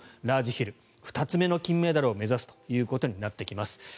ラージヒルで２つ目の金メダルを目指すということになってきます。